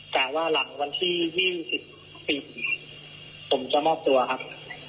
แต่ว่าหลังวันที่๒๔ผมจะมอบตัวครับ